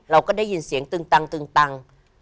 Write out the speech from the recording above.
เราก็ได้ยินเสียงตึงตังตึงตัง